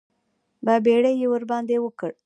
بابېړي یې ورباندې وکړ.